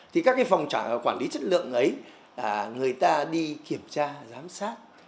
thì các cái phòng quản lý chất lượng ấy là người ta đi kiểm tra giám sát